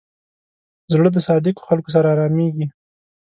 زړه د صادقو خلکو سره آرامېږي.